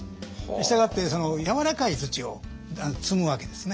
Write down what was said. したがってやわらかい土を積むわけですね。